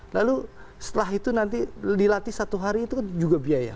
lalu setelah itu nanti dilatih satu hari itu kan juga biaya